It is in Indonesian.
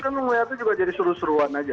ya itu kan mengeliatnya juga jadi seru seruan aja